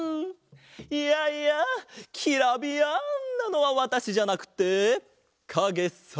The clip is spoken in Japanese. いやいやキラビヤンなのはわたしじゃなくてかげさ！